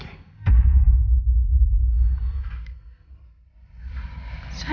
baik banget kita